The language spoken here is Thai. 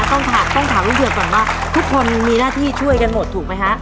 ต้องถามลูกเผื่อก่อนว่าทุกคนมีหน้าที่ช่วยกันหมดถูกไหมฮะ